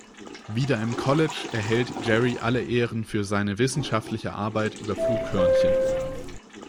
Wieder im College, erhält Jerry alle Ehren für seine wissenschaftliche Arbeit über Flughörnchen.